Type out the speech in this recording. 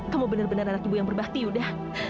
kamu benar benar anak ibu yang berbakti udah